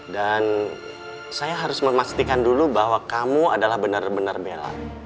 dan saya harus memastikan dulu bahwa kamu adalah benar benar bella